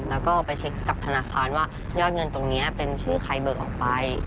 แล้วก็ไปเช็คกับธนาคารว่ายอดเงินตรงนี้เป็นชื่อใครเบิกออกไป